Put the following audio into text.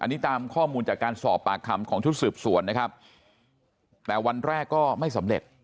อันนี้ตามข้อมูลจากการสอบปากคำของชุดสืบสวนนะครับแต่วันแรกก็ไม่สำเร็จ